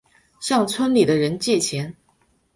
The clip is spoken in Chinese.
向村里的人借钱